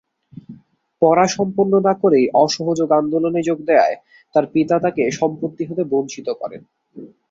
পড়া সম্পন্ন না করে অসহযোগ আন্দোলনে যোগ দেওয়ায় তার পিতা তাকে সম্পত্তি হতে বঞ্চিত করেন।